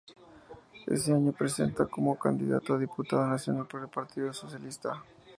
Ese año se presenta como candidato a diputado nacional por el Partido Socialista.